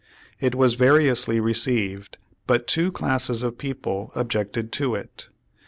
It was variously received, but two classes of people objected to it.